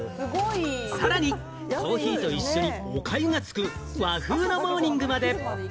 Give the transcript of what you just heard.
さらにコーヒーと一緒におかゆが付く和風なモーニングまで。